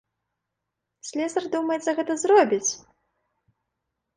Слесар, думаеце, гэта зробіць?